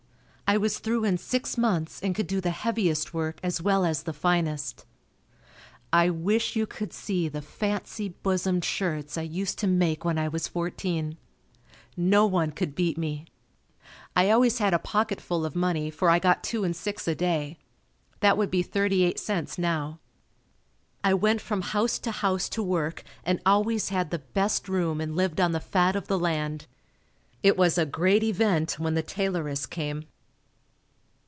I was through in six months and could do the heaviest work as well as the finest. I wish you could see the fancy bosomed shirts I used to make when I was fourteen! No one could beat me. I always had a pocketful of money for I got two and six a day. That would be 38c now. I went from house to house to work and always had the best room and lived on the fat of the land. It was a great event when the tailoress came.